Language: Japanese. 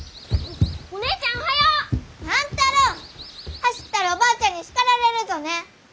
走ったらおばあちゃんに叱られるぞね！